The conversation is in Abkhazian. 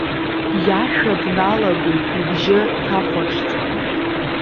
Иашәа дналагоит ибжьы ҭахәаҽӡа.